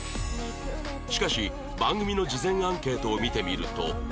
しかし番組の事前アンケートを見てみると